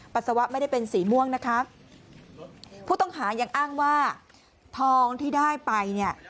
ปัสสาวะไม่ได้เป็นสีม่วงนะคะผู้ต้องหายังอ้างว่าทองที่ได้ไปเนี่ย